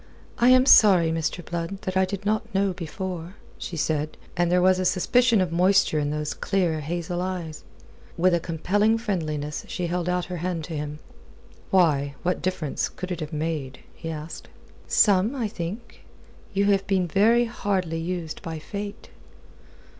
"I am sorry, Mr. Blood, that I did not know before," she said, and there was a suspicion of moisture in those clear hazel eyes. With a compelling friendliness she held out her hand to him. "Why, what difference could it have made?" he asked. "Some, I think. You have been very hardly used by Fate."